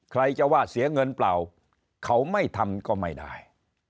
ใครจะว่าเสียเงินเปล่าเขาไม่ทำก็ไม่ได้